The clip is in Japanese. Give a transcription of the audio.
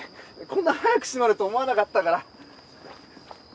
こんな早く閉まると思わなかったから。